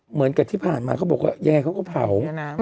เหมือนกับที่ผ่านมาเขาบอกว่าแย่เขาก็เผา